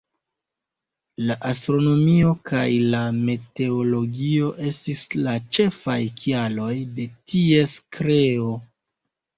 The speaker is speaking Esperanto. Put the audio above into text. La astronomio kaj la meteologio estis la ĉefaj kialoj de ties kreo.